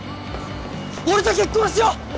俺と結婚しよう！